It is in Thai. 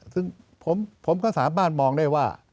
ซึ่งผมก็สามารถมองได้ว่า